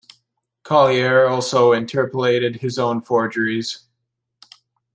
Collier also interpolated his own forgeries.